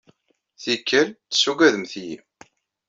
Tikkal, tessaggademt-iyi.